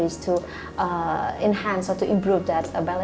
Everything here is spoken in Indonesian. untuk meningkatkan atau memperbaiki hubungan halal